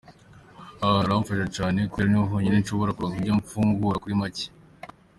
Aha hantu haramfasha cane kubera niho honyene nshobora kuronka ivyo mfungura kuri make.